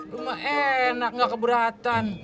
lama enak nggak keberatan